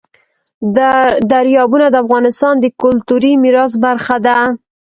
دریابونه د افغانستان د کلتوري میراث برخه ده.